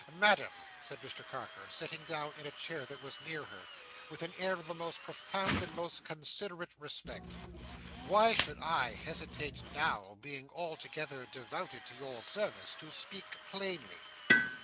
"Madam," said Mr Carker, sitting down in a chair that was near her, with an air of the most profound and most considerate respect, "why should I hesitate now, being altogether devoted to your service, to speak plainly?